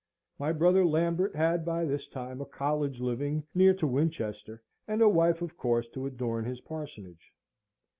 My brother Lambert had by this time a college living near to Winchester, and a wife of course to adorn his parsonage.